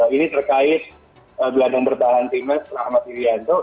ini terkait gelandang bertahan timnas rahmat irianto